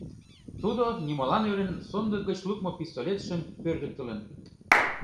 Тудо, нимолан ӧрын, сондык гыч лукмо пистолетшым пӧрдыктылын.